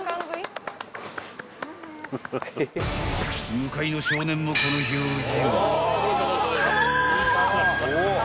［向かいの少年もこの表情］